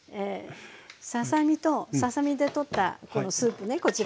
ささ身とささ身でとったこのスープねこちらね。